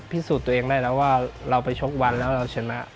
พิสูจน์ตัวเองได้แล้วว่าเราไปชกวันแล้วเราชนะ